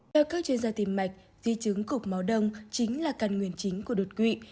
theo các chuyên gia tim mạch di chứng cục máu đông chính là căn nguyên chính của đột quỵ